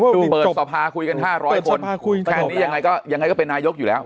ดูเปิดสภาคุยกัน๕๐๐คนแต่อันนี้ยังไงก็เป็นนายกอยู่แล้ว